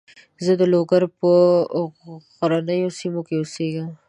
زه د لوګر په غرنیو سیمو کې اوسېږم.